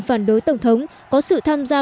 phản đối tổng thống có sự tham gia